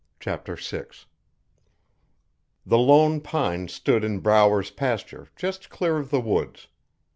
Chapter 6 The lone pine stood in Brower's pasture, just clear of the woods.